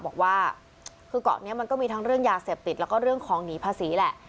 บอกว่าคือเกาะนี้มันก็มีทั้งเรื่องยาเสพติดแล้วก็เรื่องของหนีภาษีแหละ